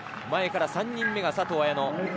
前から３人目が佐藤綾乃。